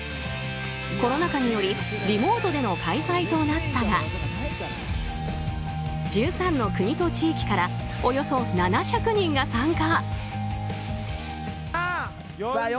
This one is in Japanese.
コロナ禍によりリモートでの開催となったが１３の国と地域からおよそ７００人が参加。